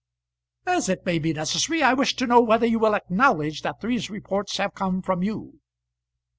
"As it may be necessary, I wish to know whether you will acknowledge that these reports have come from you?"